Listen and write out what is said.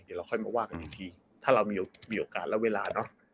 เดี๋ยวเราค่อยมาว่ากันอีกทีถ้าเรามีโอกาสแล้วเวลาเนอะ